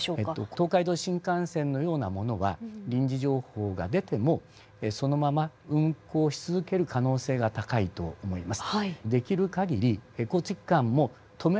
東海道新幹線のようなものは臨時情報が出てもそのまま運行し続ける可能性が高いと思います。